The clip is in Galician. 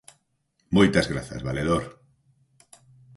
Moitas grazas, Valedor.